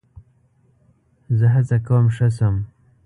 زه هڅه کوم ښه شم.